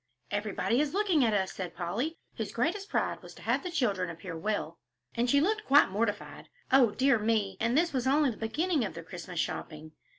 "Everybody is looking at us," said Polly, whose greatest pride was to have the children appear well, and she looked quite mortified. "O dear me!" and this was only the beginning of the Christmas shopping!